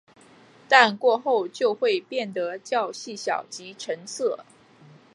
但过后就会变得较细小及沉色。